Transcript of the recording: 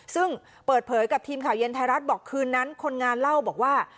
ซึ่งเปิดเผยกับทีมข่าวเย็นไทยรัฐบอกคืนนั้นคนงานเล่าบอกว่า